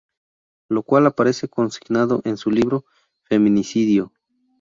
Lo cual aparece consignado en su libro "Feminicidio.